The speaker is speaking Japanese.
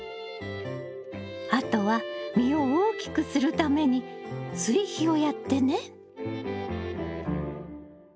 あとは実を大きくするために追肥をやってね。